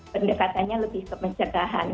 pendekatannya lebih ke pencegahan